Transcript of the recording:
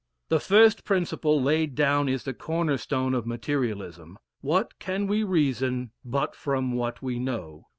The first principle laid down is the corner stone of materialism "What can we reason but from what we know?"